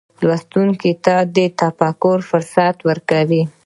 لوستونکي ته د تفکر فرصت ورکوي.